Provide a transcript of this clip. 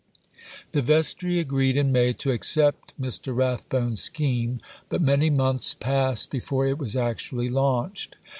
The Vestry agreed in May to accept Mr. Rathbone's scheme, but many months passed before it was actually launched.